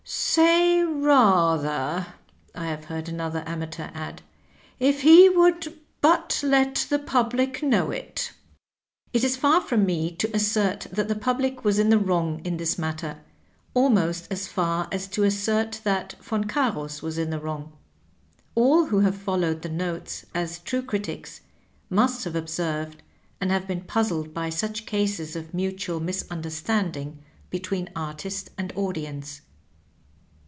"Say rather," I have heard another amateur add, " if he would but let the public know it." It is far from me to assert that the public was in the wrong in this matter — ^almost as far as to assert that Yon Cams was in the wrong. All who have followed the notes as true critics must have observed and have been puzzled by such cases of mutual misunderstanding be Digitized by VjOOQIC THE ACTION TO THE WORD. 117 tween artist and audience.